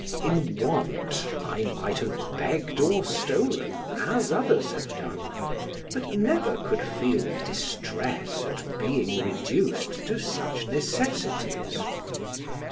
In want I might have begged or stolen, as others have done, but never could feel distress at being reduced to such necessities.